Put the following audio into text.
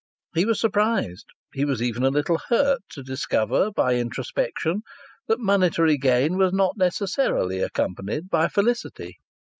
He was surprised, he was even a little hurt, to discover by introspection that monetary gain was not necessarily accompanied by felicity.